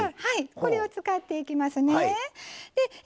これを使っていきますね。